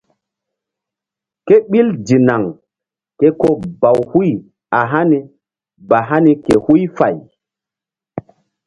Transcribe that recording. Kéɓil dinaŋ ke ko baw huy a hani ba hani ke huy fay.